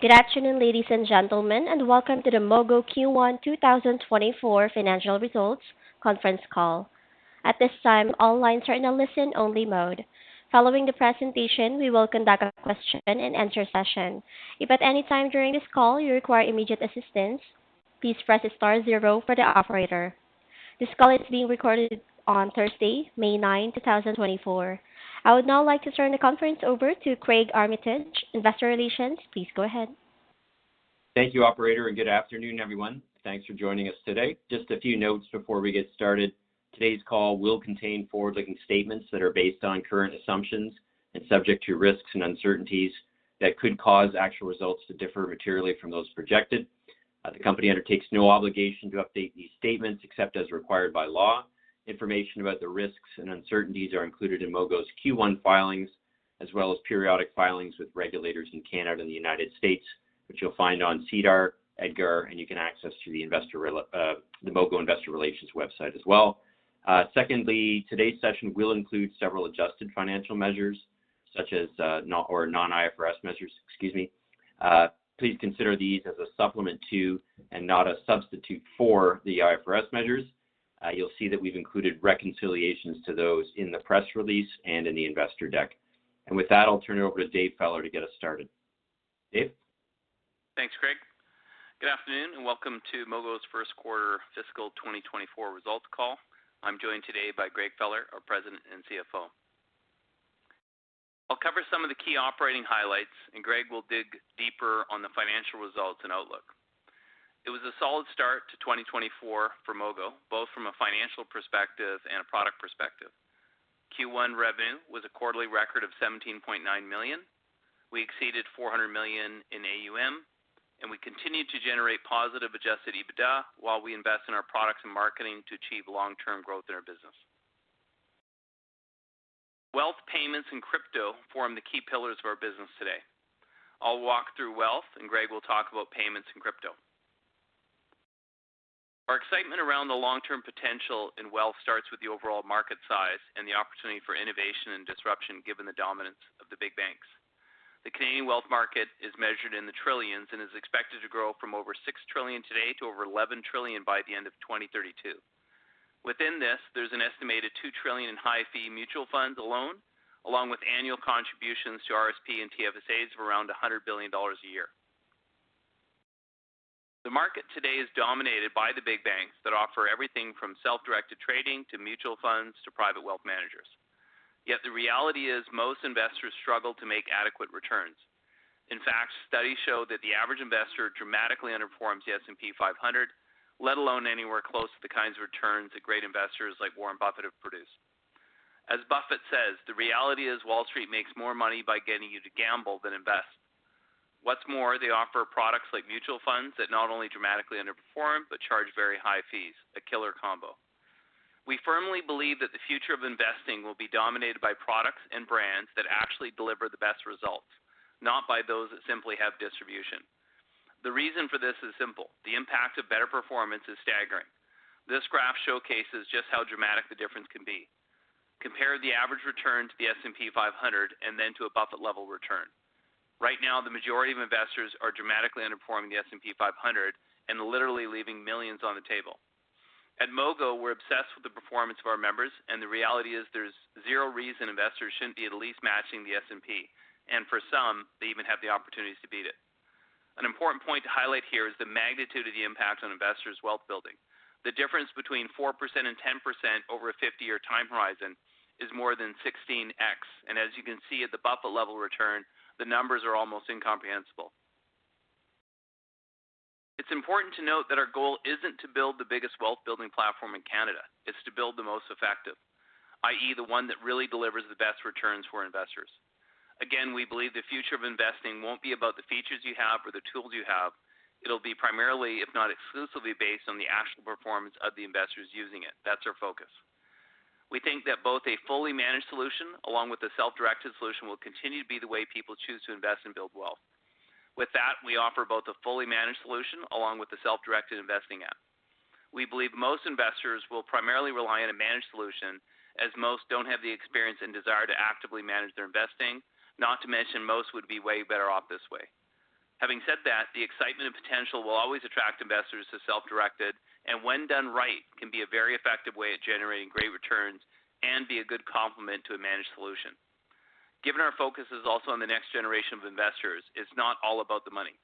Good afternoon, ladies and gentlemen, and welcome to the Mogo Q1 2024 financial results conference call. At this time, all lines are in a listen-only mode. Following the presentation, we will conduct a question-and-answer session. If at any time during this call you require immediate assistance, please press star zero for the operator. This call is being recorded on Thursday, May 9, 2024. I would now like to turn the conference over to Craig Armitage, Investor Relations. Please go ahead. Thank you, operator, and good afternoon, everyone. Thanks for joining us today. Just a few notes before we get started: today's call will contain forward-looking statements that are based on current assumptions and subject to risks and uncertainties that could cause actual results to differ materially from those projected. The company undertakes no obligation to update these statements except as required by law. Information about the risks and uncertainties are included in Mogo's Q1 filings, as well as periodic filings with regulators in Canada and the United States, which you'll find on SEDAR, EDGAR, and you can access through the Mogo Investor Relations website as well. Secondly, today's session will include several adjusted financial measures such as or non-IFRS measures. Excuse me. Please consider these as a supplement to and not a substitute for the IFRS measures. You'll see that we've included reconciliations to those in the press release and in the investor deck. With that, I'll turn it over to David Feller to get us started. David? Thanks, Craig. Good afternoon and welcome to Mogo's first quarter fiscal 2024 results call. I'm joined today by Greg Feller, our president and CFO. I'll cover some of the key operating highlights, and Greg will dig deeper on the financial results and outlook. It was a solid start to 2024 for Mogo, both from a financial perspective and a product perspective. Q1 revenue was a quarterly record of 17.9 million. We exceeded 400 million in AUM, and we continue to generate positive Adjusted EBITDA while we invest in our products and marketing to achieve long-term growth in our business. Wealth, payments, and crypto form the key pillars of our business today. I'll walk through wealth, and Greg will talk about payments and crypto. Our excitement around the long-term potential in wealth starts with the overall market size and the opportunity for innovation and disruption given the dominance of the big banks. The Canadian wealth market is measured in the trillions and is expected to grow from over 6 trillion today to over 11 trillion by the end of 2032. Within this, there's an estimated 2 trillion in high-fee mutual funds alone, along with annual contributions to RSP and TFSAs of around 100 billion dollars a year. The market today is dominated by the big banks that offer everything from self-directed trading to mutual funds to private wealth managers. Yet the reality is most investors struggle to make adequate returns. In fact, studies show that the average investor dramatically underperforms the S&P 500, let alone anywhere close to the kinds of returns that great investors like Warren Buffett have produced. As Buffett says, the reality is Wall Street makes more money by getting you to gamble than invest. What's more, they offer products like mutual funds that not only dramatically underperform but charge very high fees, a killer combo. We firmly believe that the future of investing will be dominated by products and brands that actually deliver the best results, not by those that simply have distribution. The reason for this is simple: the impact of better performance is staggering. This graph showcases just how dramatic the difference can be. Compare the average return to the S&P 500 and then to a Buffett-level return. Right now, the majority of investors are dramatically underperforming the S&P 500 and literally leaving millions on the table. At Mogo, we're obsessed with the performance of our members, and the reality is there's zero reason investors shouldn't be at least matching the S&P, and for some, they even have the opportunities to beat it. An important point to highlight here is the magnitude of the impact on investors' wealth building. The difference between 4% and 10% over a 50-year time horizon is more than 16x, and as you can see at the Buffett-level return, the numbers are almost incomprehensible. It's important to note that our goal isn't to build the biggest wealth-building platform in Canada. It's to build the most effective, i.e., the one that really delivers the best returns for investors. Again, we believe the future of investing won't be about the features you have or the tools you have. It'll be primarily, if not exclusively, based on the actual performance of the investors using it. That's our focus. We think that both a fully managed solution along with a self-directed solution will continue to be the way people choose to invest and build wealth. With that, we offer both a fully managed solution along with a self-directed investing app. We believe most investors will primarily rely on a managed solution, as most don't have the experience and desire to actively manage their investing, not to mention most would be way better off this way. Having said that, the excitement and potential will always attract investors to self-directed, and when done right, can be a very effective way at generating great returns and be a good complement to a managed solution. Given our focus is also on the next generation of investors, it's not all about the money.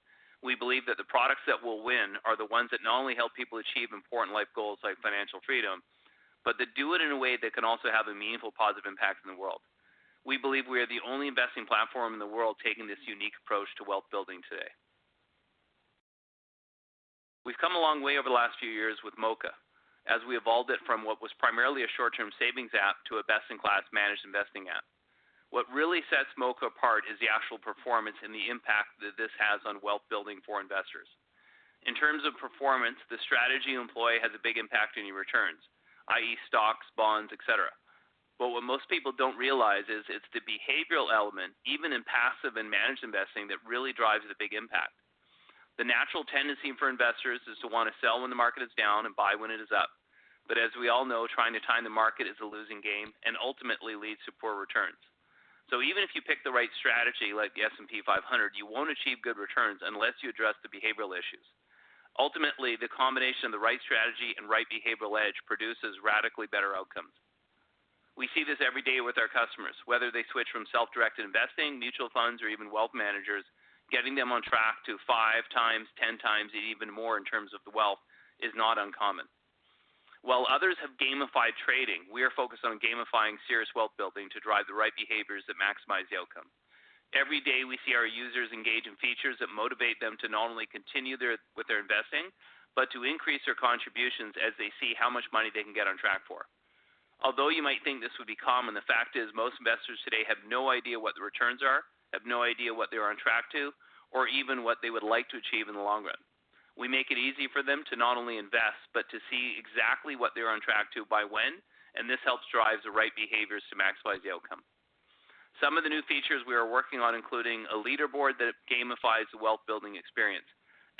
We believe that the products that will win are the ones that not only help people achieve important life goals like financial freedom, but that do it in a way that can also have a meaningful positive impact in the world. We believe we are the only investing platform in the world taking this unique approach to wealth building today. We've come a long way over the last few years with Moka, as we evolved it from what was primarily a short-term savings app to a best-in-class managed investing app. What really sets Moka apart is the actual performance and the impact that this has on wealth building for investors. In terms of performance, the strategy you employ has a big impact on your returns, i.e., stocks, bonds, etc. But what most people don't realize is it's the behavioral element, even in passive and managed investing, that really drives the big impact. The natural tendency for investors is to want to sell when the market is down and buy when it is up. But as we all know, trying to time the market is a losing game and ultimately leads to poor returns. So even if you pick the right strategy like the S&P 500, you won't achieve good returns unless you address the behavioral issues. Ultimately, the combination of the right strategy and right behavioral edge produces radically better outcomes. We see this every day with our customers. Whether they switch from self-directed investing, mutual funds, or even wealth managers, getting them on track to 5x, 10x, and even more in terms of the wealth is not uncommon. While others have gamified trading, we are focused on gamifying serious wealth building to drive the right behaviors that maximize the outcome. Every day, we see our users engage in features that motivate them to not only continue with their investing but to increase their contributions as they see how much money they can get on track for. Although you might think this would be common, the fact is most investors today have no idea what the returns are, have no idea what they are on track to, or even what they would like to achieve in the long run. We make it easy for them to not only invest but to see exactly what they are on track to by when, and this helps drive the right behaviors to maximize the outcome. Some of the new features we are working on include a leaderboard that gamifies the wealth-building experience.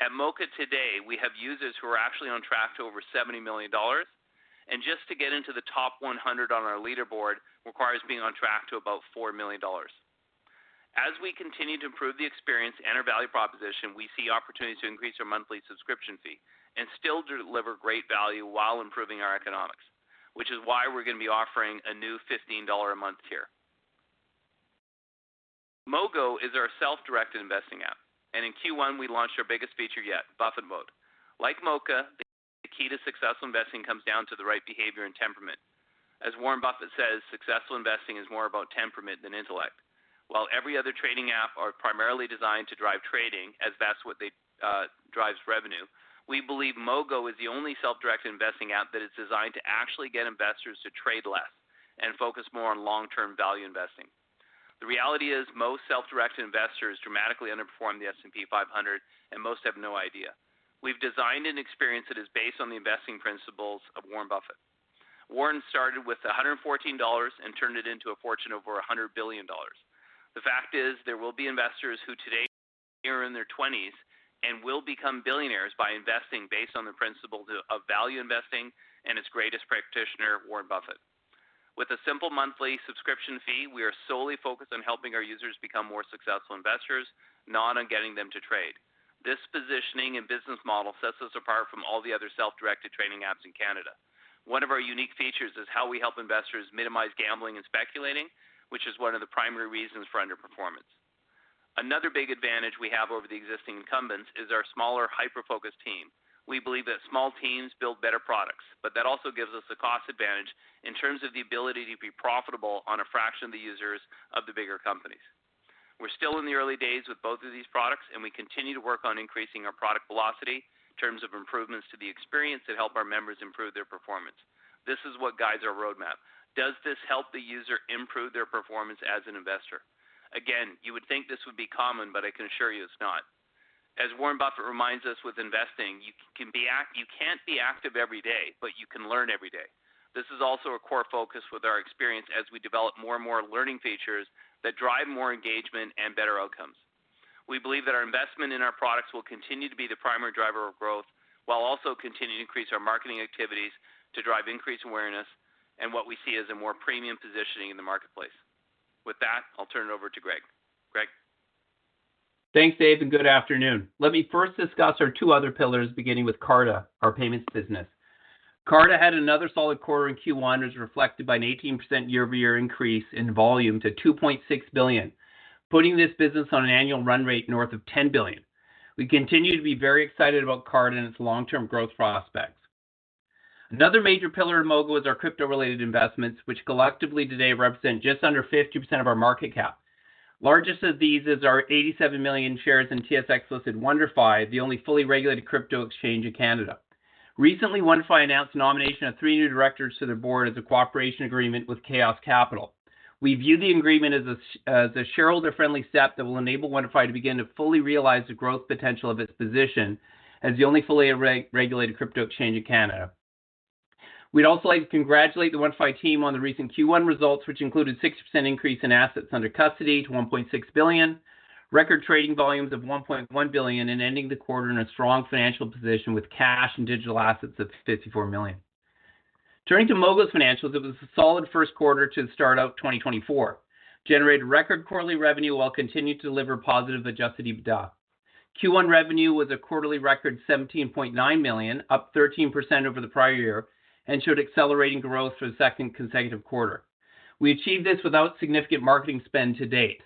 At Moka today, we have users who are actually on track to over 70 million dollars, and just to get into the top 100 on our leaderboard requires being on track to about 4 million dollars. As we continue to improve the experience and our value proposition, we see opportunities to increase our monthly subscription fee and still deliver great value while improving our economics, which is why we're going to be offering a new CAD 15-a-month tier. Mogo is our self-directed investing app, and in Q1, we launched our biggest feature yet, Buffett Mode. Like Moka, the key to successful investing comes down to the right behavior and temperament. As Warren Buffett says, successful investing is more about temperament than intellect. While every other trading app is primarily designed to drive trading, as that's what drives revenue, we believe Mogo is the only self-directed investing app that is designed to actually get investors to trade less and focus more on long-term value investing. The reality is most self-directed investors dramatically underperform the S&P 500, and most have no idea. We've designed an experience that is based on the investing principles of Warren Buffett. Warren started with 114 dollars and turned it into a fortune of over 100 billion dollars. The fact is there will be investors who today are in their 20s and will become billionaires by investing based on the principles of value investing and its greatest practitioner, Warren Buffett. With a simple monthly subscription fee, we are solely focused on helping our users become more successful investors, not on getting them to trade. This positioning and business model sets us apart from all the other self-directed trading apps in Canada. One of our unique features is how we help investors minimize gambling and speculating, which is one of the primary reasons for underperformance. Another big advantage we have over the existing incumbents is our smaller, hyper-focused team. We believe that small teams build better products, but that also gives us a cost advantage in terms of the ability to be profitable on a fraction of the users of the bigger companies. We're still in the early days with both of these products, and we continue to work on increasing our product velocity in terms of improvements to the experience that help our members improve their performance. This is what guides our roadmap. Does this help the user improve their performance as an investor? Again, you would think this would be common, but I can assure you it's not. As Warren Buffett reminds us with investing, you can be active every day, but you can learn every day. This is also a core focus with our experience as we develop more and more learning features that drive more engagement and better outcomes. We believe that our investment in our products will continue to be the primary driver of growth while also continuing to increase our marketing activities to drive increased awareness and what we see as a more premium positioning in the marketplace. With that, I'll turn it over to Greg. Greg? Thanks, Dave, and good afternoon. Let me first discuss our two other pillars, beginning with Carta, our payments business. Carta had another solid quarter in Q1 that was reflected by an 18% year-over-year increase in volume to 2.6 billion, putting this business on an annual run rate north of 10 billion. We continue to be very excited about Carta and its long-term growth prospects. Another major pillar in Mogo is our crypto-related investments, which collectively today represent just under 50% of our market cap. Largest of these is our 87 million shares in TSX-listed WonderFi, the only fully regulated crypto exchange in Canada. Recently, WonderFi announced the nomination of three new directors to their board as a cooperation agreement with Chaos Capital. We view the agreement as a shareholder-friendly step that will enable WonderFi to begin to fully realize the growth potential of its position as the only fully regulated crypto exchange in Canada. We'd also like to congratulate the WonderFi team on the recent Q1 results, which included a 60% increase in assets under custody to 1.6 billion, record trading volumes of 1.1 billion, and ending the quarter in a strong financial position with cash and digital assets of 54 million. Turning to Mogo's financials, it was a solid first quarter to the start of 2024, generated record quarterly revenue while continuing to deliver positive Adjusted EBITDA. Q1 revenue was a quarterly record of 17.9 million, up 13% over the prior year, and showed accelerating growth for the second consecutive quarter. We achieved this without significant marketing spend to date.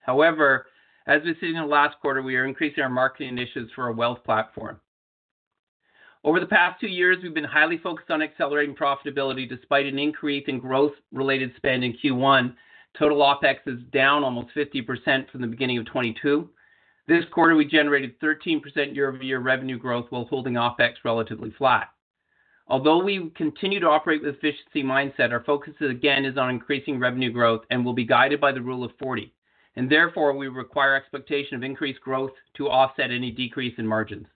However, as we sit in the last quarter, we are increasing our marketing initiatives for our wealth platform. Over the past two years, we've been highly focused on accelerating profitability despite an increase in growth-related spend in Q1. Total OPEX is down almost 50% from the beginning of 2022. This quarter, we generated 13% year-over-year revenue growth while holding OPEX relatively flat. Although we continue to operate with an efficiency mindset, our focus, again, is on increasing revenue growth and will be guided by the rule of 40, and therefore we require expectation of increased growth to offset any decrease in margins.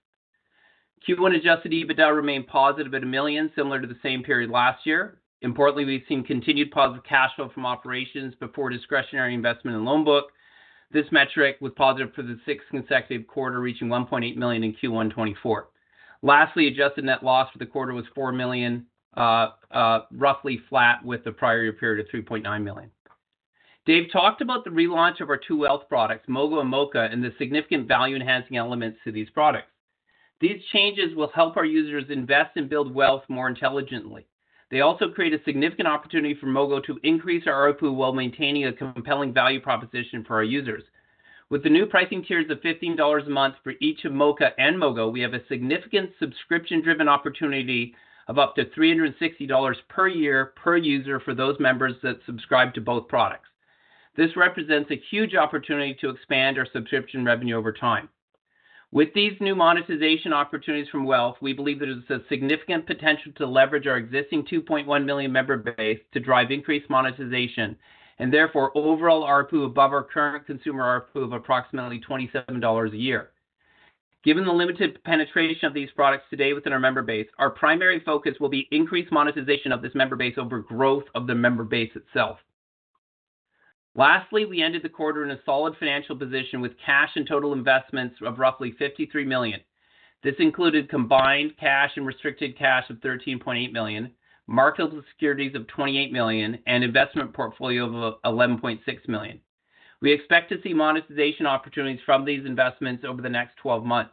Q1 adjusted EBITDA remained positive at 1 million, similar to the same period last year. Importantly, we've seen continued positive cash flow from operations before discretionary investment and loanbook. This metric was positive for the sixth consecutive quarter, reaching 1.8 million in Q1 2024. Lastly, adjusted net loss for the quarter was 4 million, roughly flat with a prior year period of 3.9 million. Dave talked about the relaunch of our two wealth products, Mogo and Moka, and the significant value-enhancing elements to these products. These changes will help our users invest and build wealth more intelligently. They also create a significant opportunity for Mogo to increase our ARPU while maintaining a compelling value proposition for our users. With the new pricing tiers of 15 dollars a month for each of Moka and Mogo, we have a significant subscription-driven opportunity of up to 360 dollars per year per user for those members that subscribe to both products. This represents a huge opportunity to expand our subscription revenue over time. With these new monetization opportunities from wealth, we believe there's a significant potential to leverage our existing 2.1 million member base to drive increased monetization and therefore overall ARPU above our current consumer ARPU of approximately 27 dollars a year. Given the limited penetration of these products today within our member base, our primary focus will be increased monetization of this member base over growth of the member base itself. Lastly, we ended the quarter in a solid financial position with cash and total investments of roughly 53 million. This included combined cash and restricted cash of 13.8 million, marketable securities of 28 million, and an investment portfolio of 11.6 million. We expect to see monetization opportunities from these investments over the next 12 months.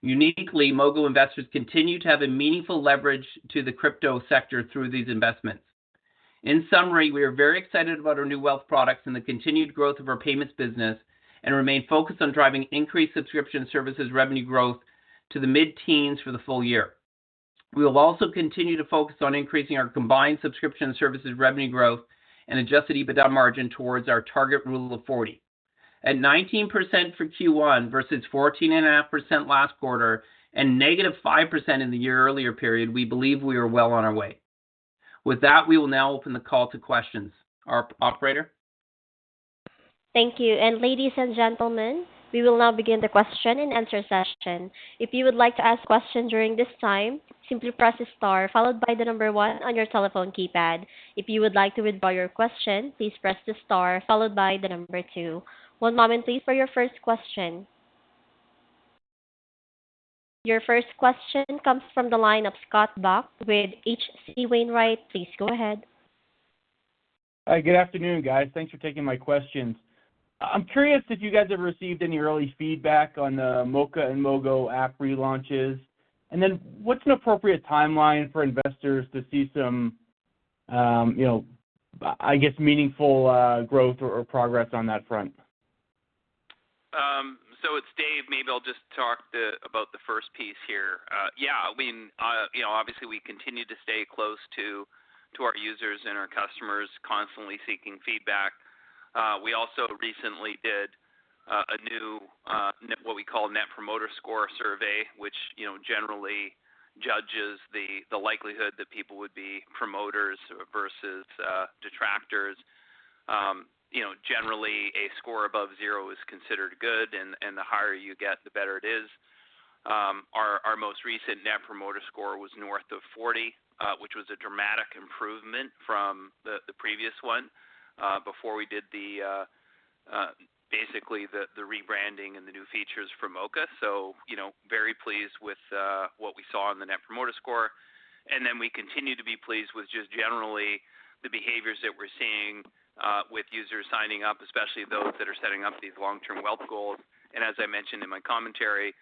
Uniquely, Mogo investors continue to have a meaningful leverage to the crypto sector through these investments. In summary, we are very excited about our new wealth products and the continued growth of our payments business and remain focused on driving increased subscription services revenue growth to the mid-teens for the full year. We will also continue to focus on increasing our combined subscription services revenue growth and Adjusted EBITDA margin towards our target Rule of 40. At 19% for Q1 versus 14.5% last quarter and -5% in the year earlier period, we believe we are well on our way. With that, we will now open the call to questions. Operator? Thank you. Ladies and gentlemen, we will now begin the question-and-answer session. If you would like to ask a question during this time, simply press the star followed by one on your telephone keypad. If you would like to withdraw your question, please press the star followed by two. One moment, please, for your first question. Your first question comes from the line of Scott Buck with H.C. Wainwright. Please go ahead. Good afternoon, guys. Thanks for taking my questions. I'm curious if you guys have received any early feedback on the Moka and Mogo app relaunches, and then what's an appropriate timeline for investors to see some, I guess, meaningful growth or progress on that front? So it's Dave. Maybe I'll just talk about the first piece here. Yeah, I mean, obviously, we continue to stay close to our users and our customers, constantly seeking feedback. We also recently did a new, what we call, Net Promoter Score survey, which generally judges the likelihood that people would be promoters versus detractors. Generally, a score above zero is considered good, and the higher you get, the better it is. Our most recent Net Promoter Score was north of 40, which was a dramatic improvement from the previous one before we did basically the rebranding and the new features for Moka. So very pleased with what we saw in the Net Promoter Score. And then we continue to be pleased with just generally the behaviors that we're seeing with users signing up, especially those that are setting up these long-term wealth goals. As I mentioned in my commentary,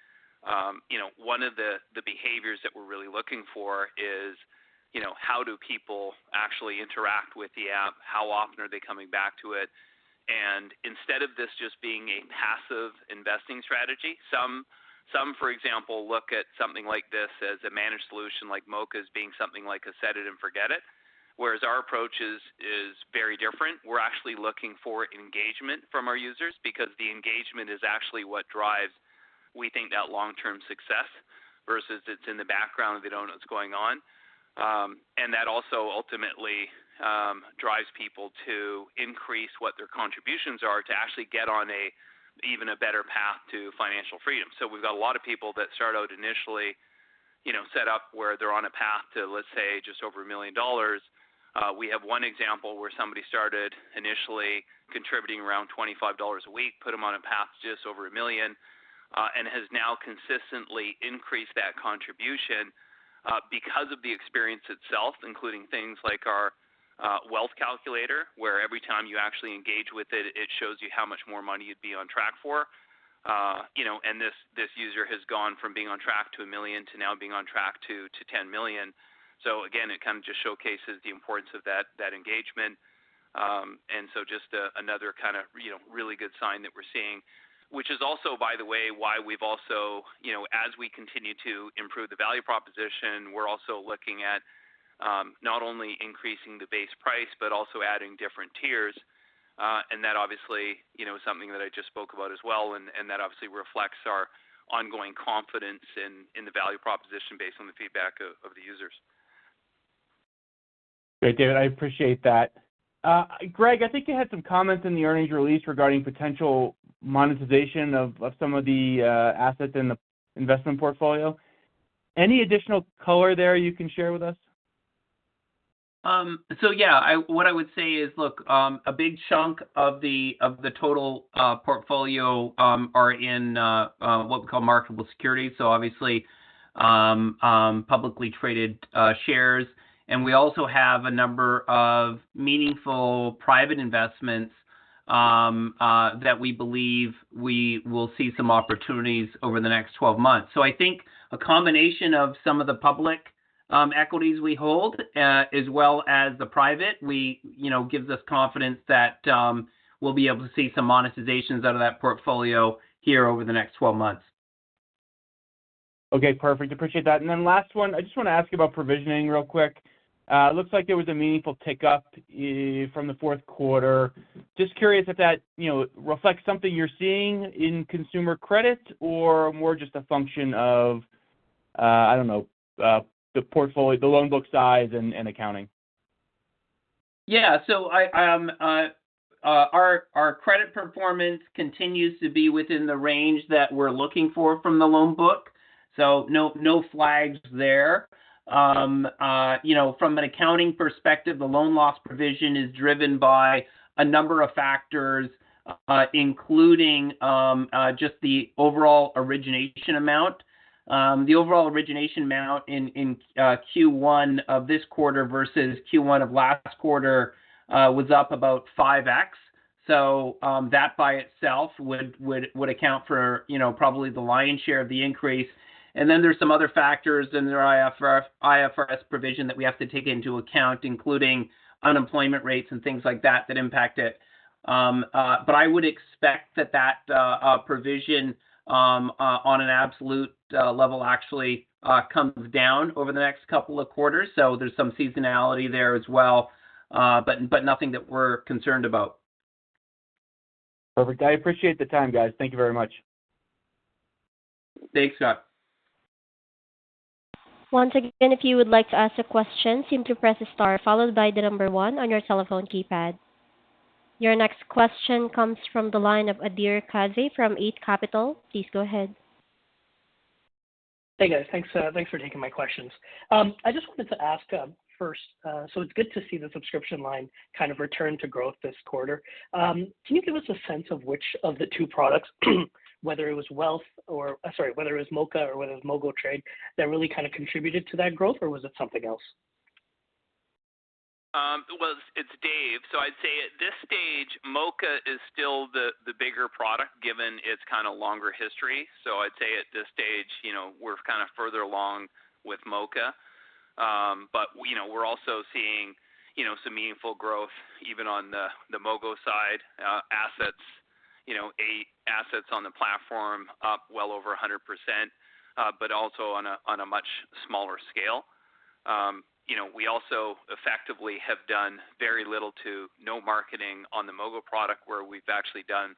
one of the behaviors that we're really looking for is how do people actually interact with the app? How often are they coming back to it? Instead of this just being a passive investing strategy, some, for example, look at something like this as a managed solution like Moka as being something like a set it and forget it, whereas our approach is very different. We're actually looking for engagement from our users because the engagement is actually what drives, we think, that long-term success versus it's in the background. They don't know what's going on. And that also ultimately drives people to increase what their contributions are to actually get on even a better path to financial freedom. We've got a lot of people that start out initially set up where they're on a path to, let's say, just over 1 million dollars. We have one example where somebody started initially contributing around 25 dollars a week, put them on a path to just over 1 million, and has now consistently increased that contribution because of the experience itself, including things like our wealth calculator, where every time you actually engage with it, it shows you how much more money you'd be on track for. And this user has gone from being on track to 1 million to now being on track to 10 million. Again, it kind of just showcases the importance of that engagement. And so just another kind of really good sign that we're seeing, which is also, by the way, why we've also, as we continue to improve the value proposition, we're also looking at not only increasing the base price but also adding different tiers. And that, obviously, is something that I just spoke about as well, and that obviously reflects our ongoing confidence in the value proposition based on the feedback of the users. Great, David. I appreciate that. Greg, I think you had some comments in the earnings release regarding potential monetization of some of the assets in the investment portfolio. Any additional color there you can share with us? Yeah, what I would say is, look, a big chunk of the total portfolio are in what we call marketable securities, so obviously publicly traded shares. We also have a number of meaningful private investments that we believe we will see some opportunities over the next 12 months. I think a combination of some of the public equities we hold as well as the private gives us confidence that we'll be able to see some monetizations out of that portfolio here over the next 12 months. Okay, perfect. Appreciate that. And then last one, I just want to ask you about provisioning real quick. It looks like there was a meaningful tick up from the fourth quarter. Just curious if that reflects something you're seeing in consumer credit or more just a function of, I don't know, the loanbook size and accounting. Yeah, so our credit performance continues to be within the range that we're looking for from the loanbook. So no flags there. From an accounting perspective, the loan loss provision is driven by a number of factors, including just the overall origination amount. The overall origination amount in Q1 of this quarter versus Q1 of last quarter was up about 5x. So that by itself would account for probably the lion's share of the increase. And then there's some other factors in their IFRS provision that we have to take into account, including unemployment rates and things like that that impact it. But I would expect that that provision, on an absolute level, actually comes down over the next couple of quarters. So there's some seasonality there as well, but nothing that we're concerned about. Perfect, guys. Appreciate the time, guys. Thank you very much. Thanks, Scott. Once again, if you would like to ask a question, simply press the star followed by the number one on your telephone keypad. Your next question comes from the line of Adhir Kadve from Eight Capital. Please go ahead. Hey, guys. Thanks for taking my questions. I just wanted to ask first, so it's good to see the subscription line kind of return to growth this quarter. Can you give us a sense of which of the two products, whether it was wealth or, sorry, whether it was Moka or whether it was MogoTrade, that really kind of contributed to that growth, or was it something else? Well, it's Dave. So I'd say at this stage, Moka is still the bigger product given its kind of longer history. So I'd say at this stage, we're kind of further along with Moka. But we're also seeing some meaningful growth even on the Mogo side, assets, assets on the platform up well over 100%, but also on a much smaller scale. We also effectively have done very little to no marketing on the Mogo product where we've actually done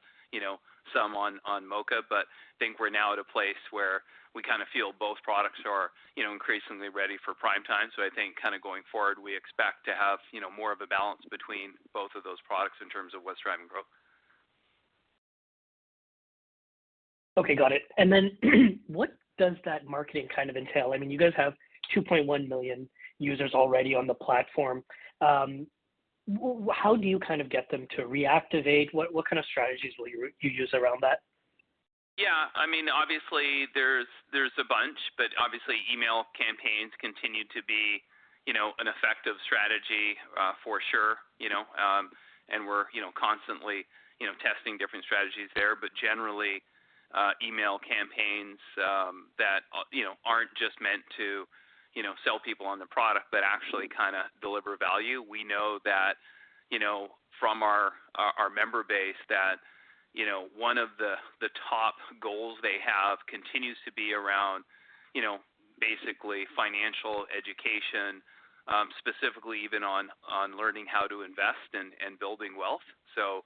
some on Moka, but I think we're now at a place where we kind of feel both products are increasingly ready for prime time. So I think kind of going forward, we expect to have more of a balance between both of those products in terms of what's driving growth. Okay, got it. What does that marketing kind of entail? I mean, you guys have 2.1 million users already on the platform. How do you kind of get them to reactivate? What kind of strategies will you use around that? Yeah, I mean, obviously, there's a bunch, but obviously, email campaigns continue to be an effective strategy for sure. And we're constantly testing different strategies there. But generally, email campaigns that aren't just meant to sell people on the product but actually kind of deliver value. We know that from our member base that one of the top goals they have continues to be around basically financial education, specifically even on learning how to invest and building wealth. So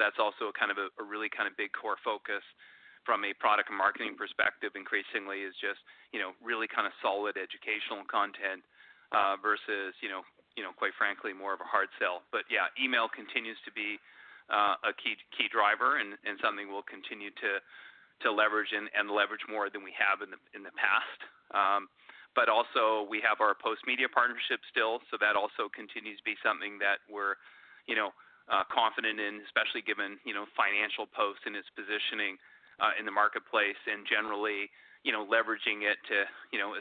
that's also kind of a really kind of big core focus from a product and marketing perspective, increasingly, is just really kind of solid educational content versus, quite frankly, more of a hard sell. But yeah, email continues to be a key driver and something we'll continue to leverage and leverage more than we have in the past. But also, we have our Postmedia partnership still, so that also continues to be something that we're confident in, especially given Financial Post's and its positioning in the marketplace and generally leveraging it to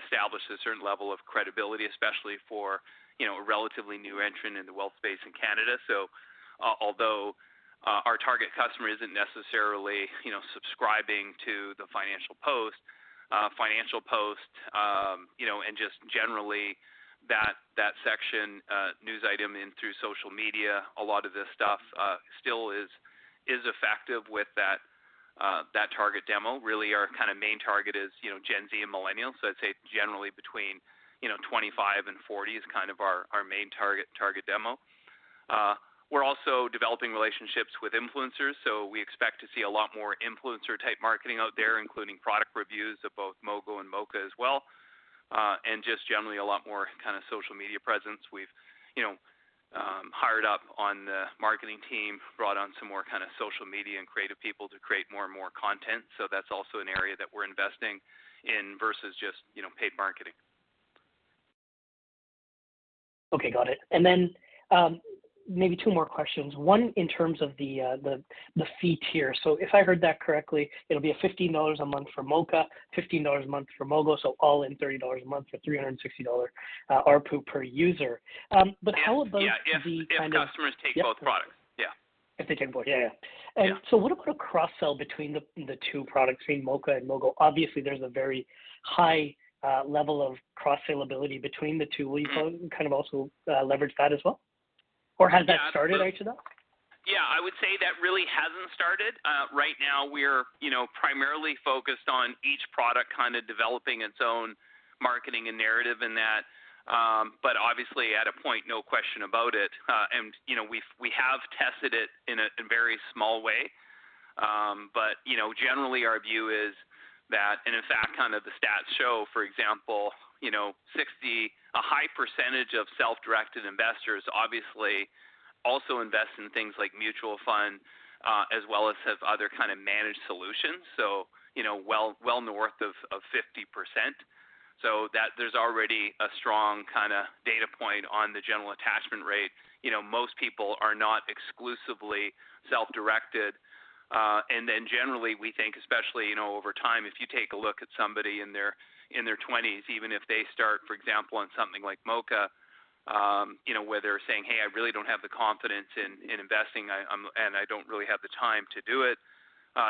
establish a certain level of credibility, especially for a relatively new entrant in the wealth space in Canada. So although our target customer isn't necessarily subscribing to the Financial Post, Financial Post, and just generally that section, news item in through social media, a lot of this stuff still is effective with that target demo. Really, our kind of main target is Gen Z and millennials. So I'd say generally between 25 and 40 is kind of our main target demo. We're also developing relationships with influencers. So we expect to see a lot more influencer-type marketing out there, including product reviews of both Mogo and Moka as well, and just generally a lot more kind of social media presence. We've hired up on the marketing team, brought on some more kind of social media and creative people to create more and more content. So that's also an area that we're investing in versus just paid marketing. Okay, got it. Then maybe two more questions. One in terms of the fee tier. If I heard that correctly, it'll be 15 dollars a month for Moka, 15 dollars a month for Mogo, so all in 30 dollars a month for 360 dollar ARPU per user. But how about the kind of? Yeah, if customers take both products. Yeah. If they take both. Yeah, yeah. And so what about a cross-sell between the two products, meaning Moka and Mogo? Obviously, there's a very high level of cross-salability between the two. Will you kind of also leverage that as well? Or has that started, I should ask? Yeah, I would say that really hasn't started. Right now, we're primarily focused on each product kind of developing its own marketing and narrative in that. But obviously, at a point, no question about it. And we have tested it in a very small way. But generally, our view is that, and in fact, kind of the stats show, for example, a high percentage of self-directed investors obviously also invest in things like mutual fund as well as have other kind of managed solutions, so well north of 50%. So there's already a strong kind of data point on the general attachment rate. Most people are not exclusively self-directed. And then generally, we think, especially over time, if you take a look at somebody in their 20s, even if they start, for example, on something like Moka, where they're saying, "Hey, I really don't have the confidence in investing, and I don't really have the time to do it: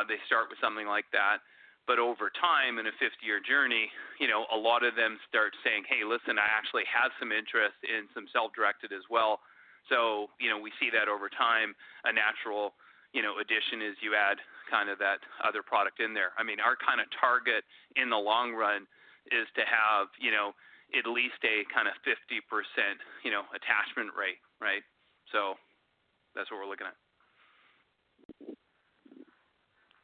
they start with something like that. But over time, in a 50-year journey, a lot of them start saying: Hey, listen, I actually have some interest in some self-directed as well. So we see that over time. A natural addition is you add kind of that other product in there. I mean, our kind of target in the long run is to have at least a kind of 50% attachment rate, right? So that's what we're looking at.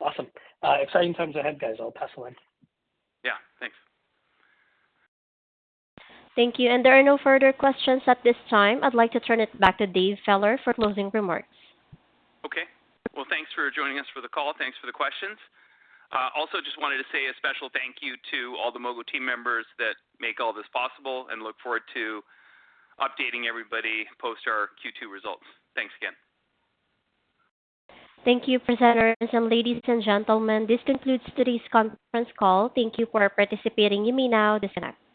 Awesome. Exciting times ahead, guys. I'll pass it on. Yeah, thanks. Thank you. There are no further questions at this time. I'd like to turn it back to Dave Feller for closing remarks. Okay. Well, thanks for joining us for the call. Thanks for the questions. Also, just wanted to say a special thank you to all the Mogo team members that make all this possible and look forward to updating everybody post our Q2 results. Thanks again. Thank you, presenters. Ladies and gentlemen, this concludes today's conference call. Thank you for participating. You may now disconnect.